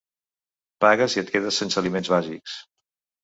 Pagues i et quedes sense aliments bàsics.